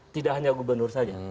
tidak hanya gubernur saja